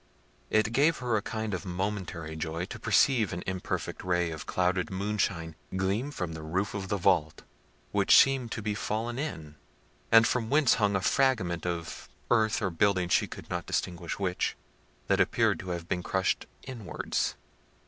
It gave her a kind of momentary joy to perceive an imperfect ray of clouded moonshine gleam from the roof of the vault, which seemed to be fallen in, and from whence hung a fragment of earth or building, she could not distinguish which, that appeared to have been crushed inwards.